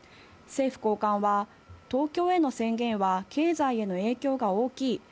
政府高官は、東京への宣言は経済への影響が大きい。